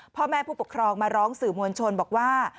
พ่อแม่ผู้ปกครองมาร้องสื่อมวลชนบอกว่า